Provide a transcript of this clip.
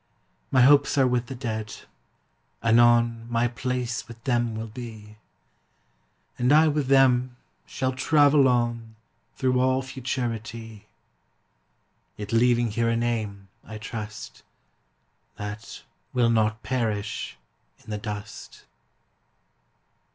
My hopes are with the Dead; anon My place with them will be, And I with them shall travel on Through all Futurity; Yet leaving here a name, I trust, That will not perish in the dust.